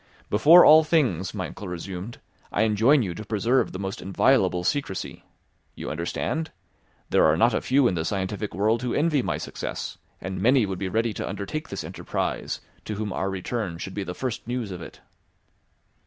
"Before all things," my uncle resumed, "I enjoin you to preserve the most inviolable secrecy: you understand? There are not a few in the scientific world who envy my success, and many would be ready to undertake this enterprise, to whom our return should be the first news of it."